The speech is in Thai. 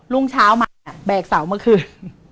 รุ่งเช้ามาแบกเสาร์เมื่อคืน